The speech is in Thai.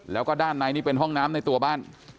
แล้วก็ด้านในนี่เป็นห้องน้ำในตัวบ้าน